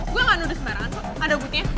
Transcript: gue gak nuduh sembarangan kok ada bootnya